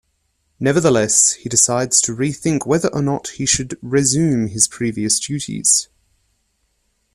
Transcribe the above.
Nevertheless, he decides to rethink whether or not he should resume his previous duties.